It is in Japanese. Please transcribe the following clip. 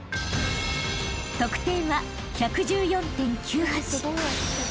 ［得点は１１４．９８］